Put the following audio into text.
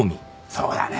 そうだね。